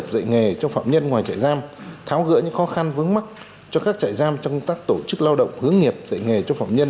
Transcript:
với khó khăn vướng mắt cho các trại giam trong công tác tổ chức lao động hướng nghiệp dạy nghề cho phạm nhân